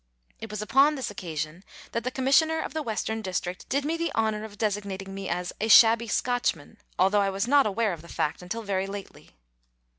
It was upon this occasionr 224 Letters from, Victorian Pioneers. that the Commissioner of the Western District did me the honour of designating me a8 a " shabby Scotchman," although I was not aware of the fact until very lately.